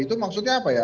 itu maksudnya apa ya